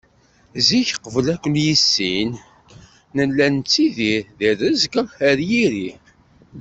Zik, qbel ad ken-yissin, nella nettidir, di rrezg ar yiri.